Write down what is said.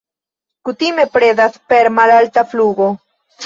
Kutime predas per malalta flugo.